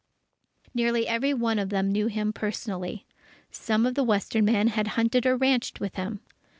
Nearly every one of them knew him personally. Some of the western men had hunted or ranched with him.